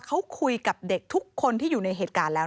เขาคุยกับเด็กทุกคนที่อยู่ในเหตุการณ์แล้ว